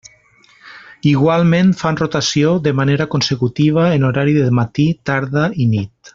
Igualment fan rotació de manera consecutiva en horari de matí, tarda i nit.